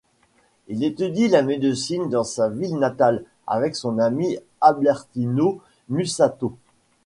Il étudie la médecine dans sa ville natale, avec son ami Albertino Mussato.